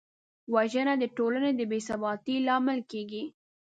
وژنه د ټولنې د بېثباتۍ لامل کېږي